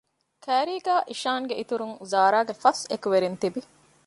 ކައިރީގައި އިޝާންގެ އިތުރުން ޒާރާގެ ފަސް އެކުވެރިން ތިވި